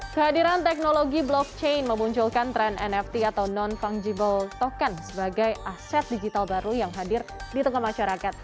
kehadiran teknologi blockchain memunculkan tren nft atau non fungible token sebagai aset digital baru yang hadir di tengah masyarakat